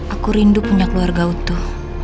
aku rindu punya keluarga utuh